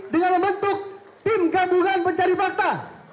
dengan membentuk tim gabungan pencari fakta